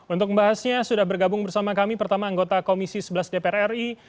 untuk membahasnya sudah bergabung bersama kami pertama anggota komisi sebelas dpr ri